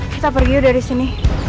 kita pergi dari sini